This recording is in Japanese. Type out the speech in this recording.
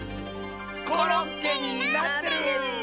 コロッケになってる！